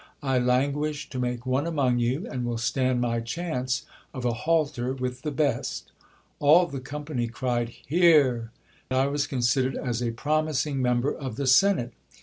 I languish to make one among you, and will stand my chance of a halter with the best. All the company cried Hear !— I was considered as a promising member of the senate.